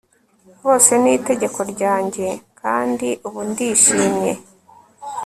Bose ni itegeko ryanjye Kandi ubu ndishimye